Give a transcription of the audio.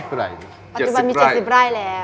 ปัจจุบันมี๗๐ไร่แล้ว